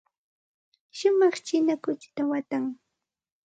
Shumaq china kuchita watan.